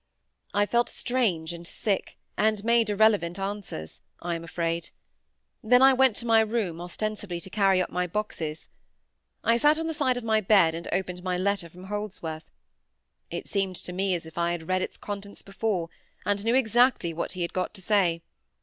I felt strange and sick, and made irrelevant answers, I am afraid. Then I went to my room, ostensibly to carry up my boxes. I sate on the side of my bed and opened my letter from Holdsworth. It seemed to me as if I had read its contents before, and knew exactly what he had got to say.